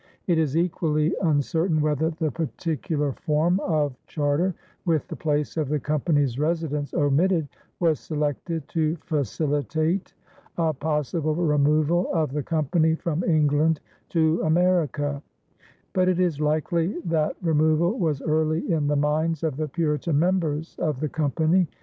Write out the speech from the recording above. It is equally uncertain whether the particular form of charter, with the place of the company's residence omitted, was selected to facilitate a possible removal of the company from England to America; but it is likely that removal was early in the minds of the Puritan members of the company.